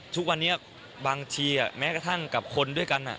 ทุกวันนี้บางทีแม้กระทั่งกับคนด้วยกัน